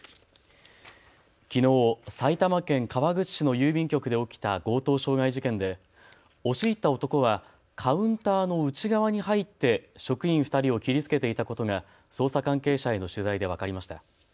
きのう埼玉県川口市の郵便局で起きた強盗傷害事件で押し入った男はカウンターの内側に入って職員２人を切りつけていたことが捜査関係者への取材で分かりました。